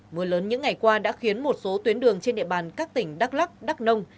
mưa lớn những ngày qua đã khiến một số tuyến đường trên địa bàn các tỉnh đắk lắc đắk nông